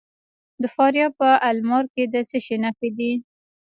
د فاریاب په المار کې د څه شي نښې دي؟